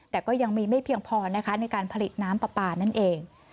แต่ก็ยังมีไม่เพียงพอนะคะในการผลิตน้ำปลาปลานั่นเอง